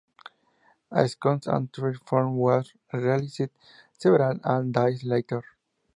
A second and third promo was released several days later.